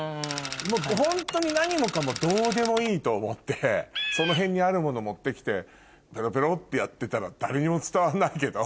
ホントに何もかもどうでもいいと思ってその辺にあるもの持って来てペロペロってやってたら誰にも伝わんないけど。